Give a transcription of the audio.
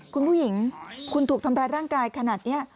คุณผู้หญิงคุณถูกทำร้ายร่างกายขนาดนี้